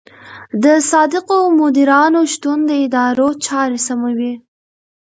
د صادقو مدیرانو شتون د ادارو چارې سموي.